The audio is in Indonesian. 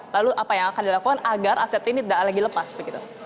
lalu apa yang akan dilakukan agar aset ini tidak lagi lepas begitu